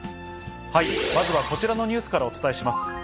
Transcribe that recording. まずはこちらのニュースからお伝えします。